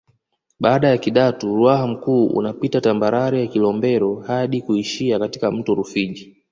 Baada ya Kidatu Ruaha Mkuu unapita tambarare ya Kilombero hadi kuishia katika mto Rufiji